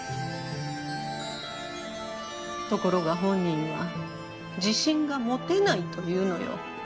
ところが本人は自信が持てないと言うのよ。